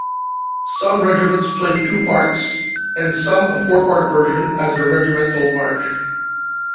Some regiments play two parts and some a four-part version as their regimental march.